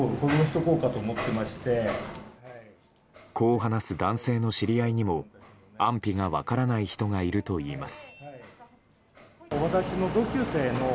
こう話す男性の知り合いにも安否が分からない人がいるといいます。